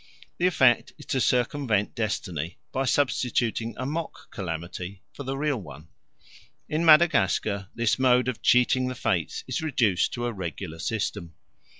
The effect is to circumvent destiny by substituting a mock calamity for a real one. In Madagascar this mode of cheating the fates is reduced to a regular system.